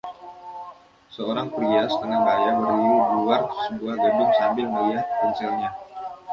Seorang pria setengah baya berdiri di luar sebuah gedung sambil melihat ponselnya.